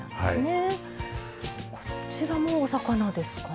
こちらもお魚ですかね。